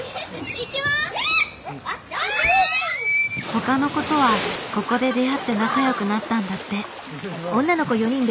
他の子とはここで出会って仲良くなったんだって。